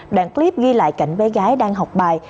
đoạn clip ghi lại cảnh bé gái đang học bài